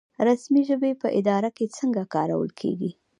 رسمي ژبې په اداره کې څنګه کارول کیږي؟